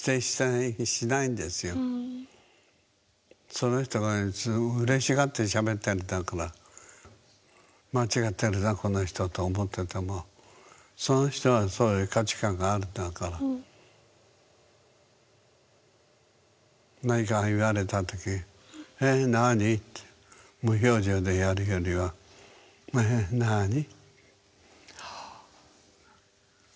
その人がうれしがってしゃべってるんだから「間違ってるなこの人」と思ってても何か言われたとき「へぇなぁに？」って無表情でやるよりは「へぇなぁに？」。